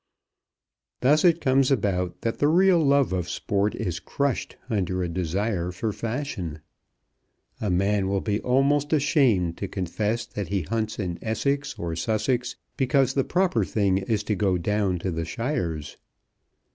Thus it comes about that the real love of sport is crushed under a desire for fashion. A man will be almost ashamed to confess that he hunts in Essex or Sussex, because the proper thing is to go down to the Shires.